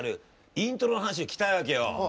イントロの話を聞きたいわけよ。